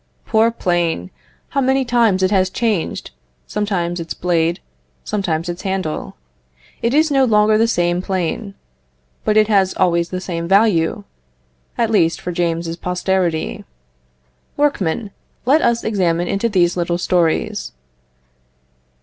Poor plane! how many times has it changed, sometimes its blade, sometimes its handle. It is no longer the same plane, but it has always the same value, at least for James's posterity. Workmen! let us examine into these little stories.